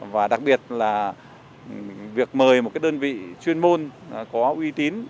và đặc biệt là việc mời một cái đơn vị chuyên môn có uy tín